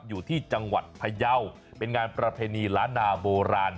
อยู่ที่จังหวัดพยาวเป็นงานประเพณีล้านนาโบราณ